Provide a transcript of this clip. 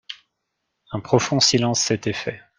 Un profond silence s'était fait.